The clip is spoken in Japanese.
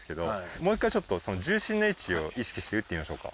もう１回ちょっとその重心の位置を意識して打ってみましょうか。